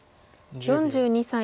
４２歳。